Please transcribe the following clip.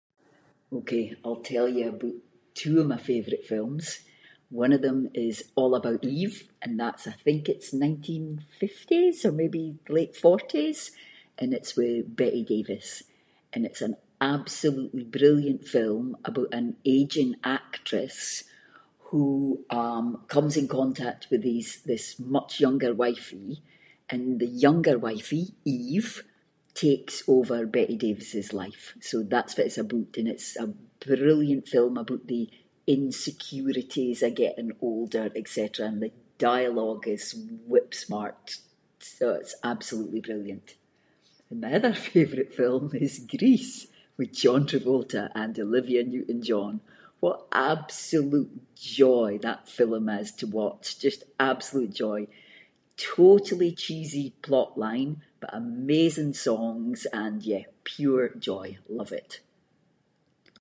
Ok, I’ll tell you aboot two of my favourite films. One of them is ‘All About Eve’ and that’s, I think it’s nineteen-fifties or maybe late forties, and it’s with Betty Davis, and it’s an absolutely brilliant film aboot an ageing actress, who, um, comes in contact with these- this much younger wifie, and the younger wifie, Eve, takes over Betty Davis’ life, so that’s what it’s aboot, and it’s a brilliant film aboot the insecurities of getting older et cetera, and the dialogue is whip-smart, so it’s absolutely brilliant. And my other favourite film is Grease, with John Travolta and Olivia Newton John, what absolute joy that film is to watch, just absolute joy. Totally cheesy plotline, but amazing songs and yeah, pure joy. Love it.